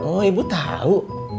oh ibu tahu